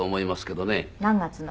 何月の？